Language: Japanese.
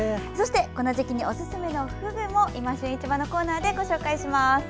そして、この時期におすすめのフグも「いま旬市場」のコーナーでご紹介します。